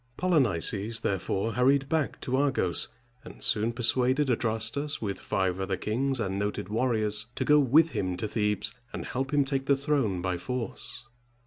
Polynices therefore hurried back to Argos, and soon persuaded Adrastus, with five other kings and noted warriors, to go with him to Thebes, and help him take the throne by force.